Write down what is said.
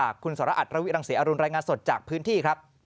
คุณสรอัตรวิรังศรีอรุณรายงานสดจากพื้นที่ครับ